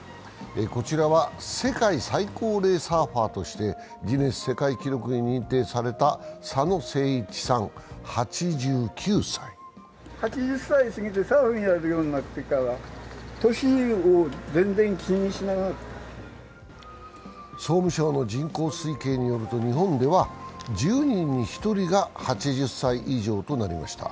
こちらは世界最高齢サーファーとしてギネス世界記録に認定された佐野誠一さん８９歳総務省の人口推計によると日本では１０人に１人が８０歳以上となりました。